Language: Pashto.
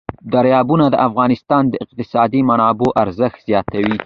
دریابونه د افغانستان د اقتصادي منابعو ارزښت زیاتوي.